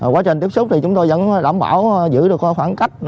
quá trình tiếp xúc thì chúng tôi vẫn đảm bảo giữ được khoảng cách